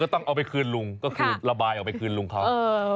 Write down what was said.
เออก็ต้องเอาไปคืนลุงก็กินบราบายเอาไปคืนลุงเค้า